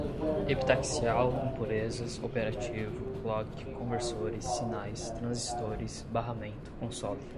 epitaxial, impurezas, operativo, clock, conversores, sinais, transistores, barramento, console